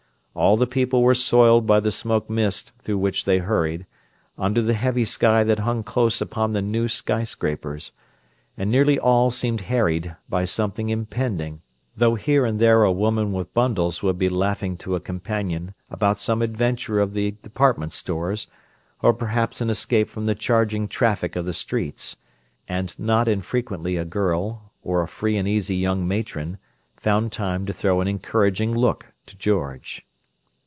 All the people were soiled by the smoke mist through which they hurried, under the heavy sky that hung close upon the new skyscrapers; and nearly all seemed harried by something impending, though here and there a woman with bundles would be laughing to a companion about some adventure of the department stores, or perhaps an escape from the charging traffic of the streets—and not infrequently a girl, or a free and easy young matron, found time to throw an encouraging look to George.